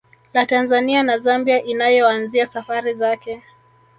La Tanzania na Zambia inayoanzia safari zake